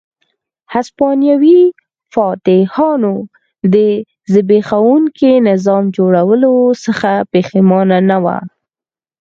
هسپانوي فاتحانو د زبېښونکي نظام جوړولو څخه پښېمانه نه وو.